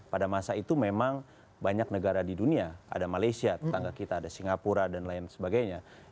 pada masa itu memang banyak negara di dunia ada malaysia tetangga kita ada singapura dan lain sebagainya